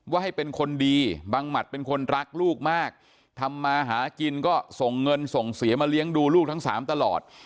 ให้เป็นคนดีบังหมัดเป็นคนรักลูกมากทำมาหากินก็ส่งเงินส่งเสียมาเลี้ยงดูลูกทั้งสามตลอด